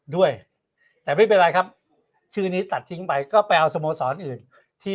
ด้วยแต่ไม่เป็นไรครับชื่อนี้ตัดทิ้งไปก็ไปเอาสโมสรอื่นที่